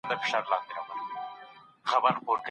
د بيان ازادي د پرمختګ لپاره اړينه ده.